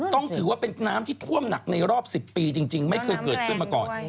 ต้องถือว่าเป็นน้ำที่ท่วมหนักในรอบ๑๐ปีจริงไม่เคยเกิดขึ้นมาก่อน